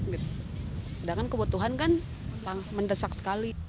sedangkan kebutuhan kan mendesak sekali